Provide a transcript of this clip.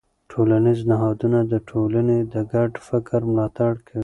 ټولنیز نهادونه د ټولنې د ګډ فکر ملاتړ کوي.